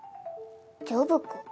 ジョブ子？